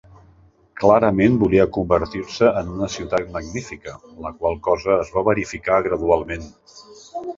Clarament volia convertir-se en una ciutat magnífica, la qual cosa es va verificar gradualment.